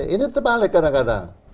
ini terbalik kadang kadang